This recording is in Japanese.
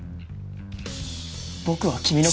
僕は君の事。